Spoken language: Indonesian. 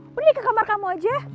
udah liat ke kamar kamu aja